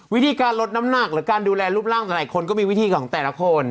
วิธีการลดน้ำหนักหรือการดูแลรูปร่างของหลายคนก็มีวิธีของแต่ละคน